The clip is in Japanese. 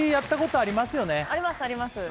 ありますあります